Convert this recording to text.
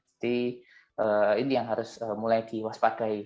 jadi ini yang harus mulai diwaspadai